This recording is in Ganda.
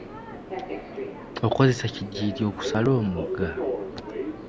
Okozesa kidyeri okusala omugga?